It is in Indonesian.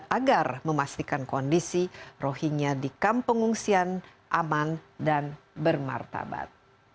agar memastikan kondisi rohingya di kamp pengungsian aman dan bermartabat